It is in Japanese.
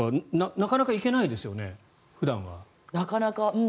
なかなか行けないですよね。